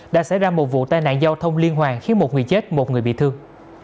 đã xảy ra một vụ tai nạn giao thông liên hoàn khiến một người chết một người bị thương